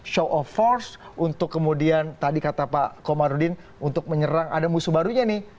show of force untuk kemudian tadi kata pak komarudin untuk menyerang ada musuh barunya nih